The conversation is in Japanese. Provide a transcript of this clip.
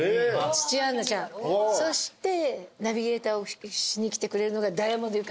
土屋アンナちゃんそしてナビゲーターをしに来てくれるのがダイアモンドユカイ君。